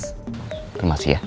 itu masih ya